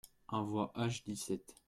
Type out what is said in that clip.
un voie H/dix-sept